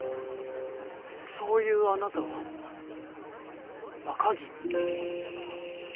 そういうあなたは若君？